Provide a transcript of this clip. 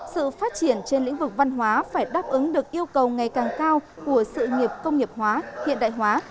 sự phát triển trên lĩnh vực văn hóa phải đáp ứng được yêu cầu ngày càng cao của sự nghiệp công nghiệp hóa hiện đại hóa